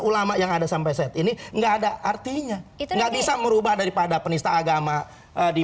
ulama yang ada sampai saat ini enggak ada artinya enggak bisa merubah daripada penista agama di